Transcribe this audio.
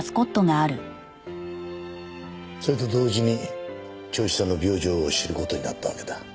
それと同時に銚子さんの病状を知る事になったわけだ。